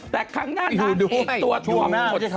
แต่ครั้งหน้านอกอีกตัวให้หนดสิ